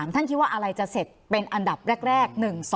ท่านคิดว่าอะไรจะเสร็จเป็นอันดับแรก๑๒